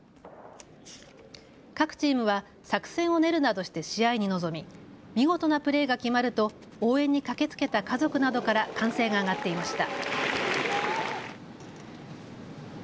各チームは作戦を練るなどして試合に臨み見事なプレーが決まると応援に駆けつけた家族などから歓声が上がっていました。